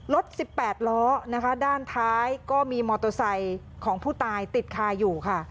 รถ๑๘ล้อนะคะด้านท้ายก็มีมอเตอร์ไซค์ของผู้ตายติดคาอยู่ค่ะ